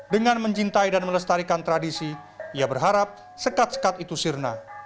dengan mencintai dan melestarikan tradisi ia berharap sekat sekat itu sirna